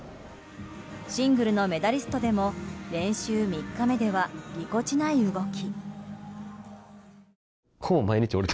シングルのメダリストでも練習３日目ではぎこちない動き。